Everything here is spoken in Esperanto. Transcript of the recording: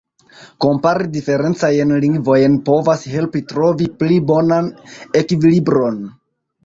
Kompari diferencajn lingvojn povas helpi trovi pli bonan ekvilibron.